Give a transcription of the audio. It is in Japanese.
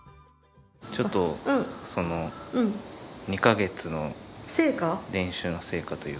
ちょっとその２か月の練習の成果というか。